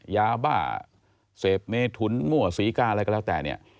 ยาบ้าเศษเมธุนมั่วสวิ้งกลางอะไรก็แล้วแต่เนี่ย